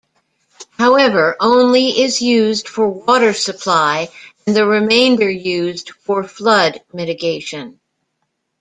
However, only is used for water supply and the remainder used for flood mitigation.